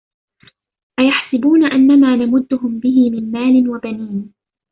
أيحسبون أنما نمدهم به من مال وبنين